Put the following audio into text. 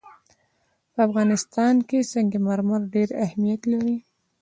په افغانستان کې سنگ مرمر ډېر اهمیت لري.